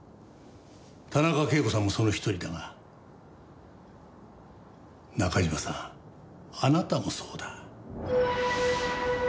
田中啓子さんもその一人だが中島さんあなたもそうだ。